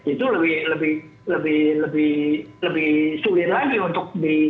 itu lebih sulit lagi untuk direpas atau dicuri gitu